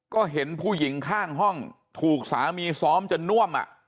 ก็เห็นผู้หญิงข้างห้องถูกสามีซ้อมจนน่วม